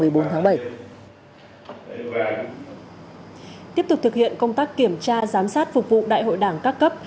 tiếp tục thực hiện công tác kiểm tra giám sát phục vụ đại hội đảng các cấp